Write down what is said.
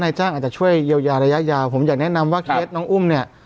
จ้างอาจจะช่วยเยียวยาระยะยาวผมอยากแนะนำว่าเคสน้องอุ้มเนี่ย